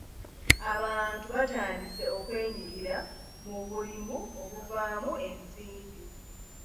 Abantu batandise okwenyigira mu bulimi obuvaamu ensimbi.